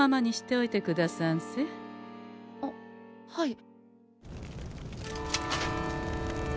あっはい。